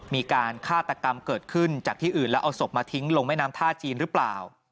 มีการฆาตกรรมเกิดขึ้นจากที่อื่นแล้วเอาศพมาทิ้งลงแม่น้ำท่าจีนหรือเปล่า